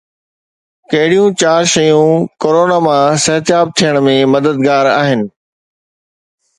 ڪهڙيون چار شيون ڪورونا مان جلد صحتياب ٿيڻ ۾ مددگار آهن؟